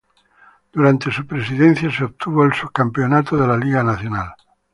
Durante su presidencia se obtuvo el subcampeonato de la liga nacional.